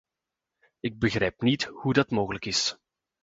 Ik begrijp niet hoe dat mogelijk is.